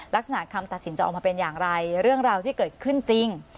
ลักษณะคำตัดสินจะออกมาเป็นอย่างไรเรื่องราวที่เกิดขึ้นจริง